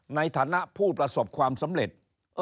ในฐานะผู้ประสบความสำเร็จ